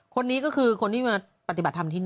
คนนี้ก็คือคนที่มาปฏิบัติธรรมที่นี่